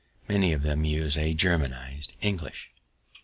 Many of them use a Germanized English.